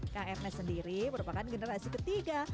kang ernest sendiri merupakan generasi ketiga